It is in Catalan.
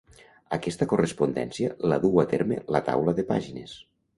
Aquesta correspondència la duu a terme la taula de pàgines.